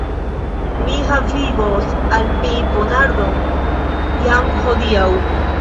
Mi havigos al mi ponardon jam hodiaŭ.